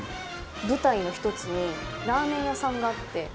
舞台の１つにラーメン屋さんがあって。